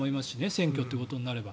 選挙ということになれば。